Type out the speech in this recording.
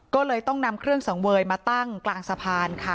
ก็เลยต้องนำเครื่องสังเวยมาตั้งกลางสะพานค่ะ